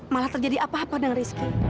malah terjadi apa apa dengan rizki